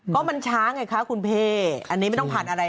ก็มันช้าไงคะคุณพี่อันนี้ไม่ต้องผ่านอะไร